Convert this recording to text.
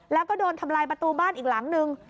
แล้วก็โดนทำลายประตูบ้านอีกหลังนึง